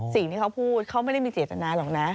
สิ่งที่เขาพูดเขาไม่ได้มีเจตนาหรอกนะ